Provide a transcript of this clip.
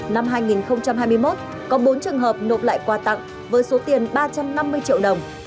năm hai nghìn hai mươi một có bốn trường hợp nộp lại quà tặng với số tiền ba trăm năm mươi triệu đồng